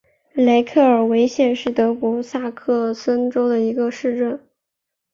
雷克尔维茨是德国萨克森州的一个市镇。